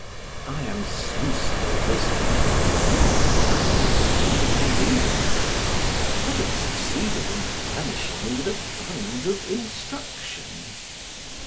I am sensible this method is not without its inconveniences, but it succeeded in furnishing me with a fund of instruction.